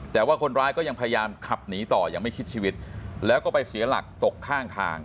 แต่ว่าคนร้ายก็ยังพยายามขับหนีต่อยังไม่คิดชีวิตแล้วก็ไปเสียหลักตกข้างทาง